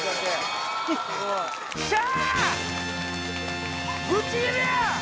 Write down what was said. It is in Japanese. よっしゃ！